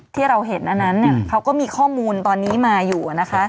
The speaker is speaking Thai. ที่เราเห็นอันนั้นเขาก็มีข้อมูลตอนนี้มาอยู่นะคะ